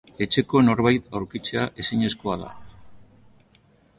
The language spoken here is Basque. Etxeko norbait aurkitzea ezinezkoa da.